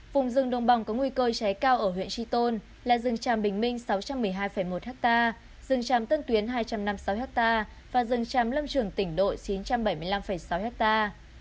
vùng rừng đồng bằng có nguy cơ cháy cao ở huyện tri tôn là rừng tràm bình minh sáu trăm một mươi hai một hectare rừng tràm tân tuyến hai trăm năm mươi sáu hectare và rừng tràm lâm trường tỉnh độ chín trăm bảy mươi năm sáu hectare